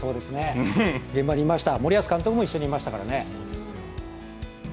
現場にいました、森保監督も一緒にいましたからね。